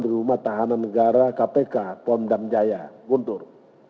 di rumah tahanan negara kpk pondam jaya guntur